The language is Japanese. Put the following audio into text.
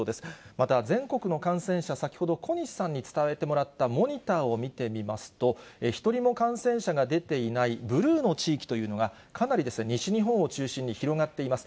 また、全国の感染者、先ほど小西さんに伝えてもらったモニターを見てみますと、１人も感染者が出ていない、ブルーの地域というのが、かなり西日本を中心に広がっています。